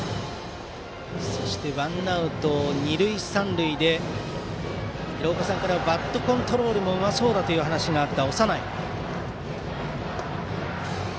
ワンアウト二塁三塁で廣岡さんからはバットコントロールもうまそうだという話があった、長内。